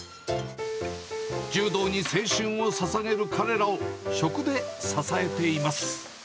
柔道に青春をささげる彼らを、食で支えています。